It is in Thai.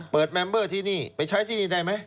แมมเบอร์ที่นี่ไปใช้ที่นี่ได้ไหม